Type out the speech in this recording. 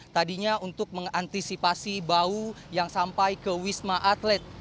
tadinya untuk mengantisipasi bau yang sampai ke wisma atlet